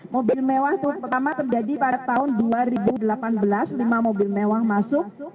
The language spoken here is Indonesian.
mobil mewah terutama terjadi pada tahun dua ribu delapan belas lima mobil mewah masuk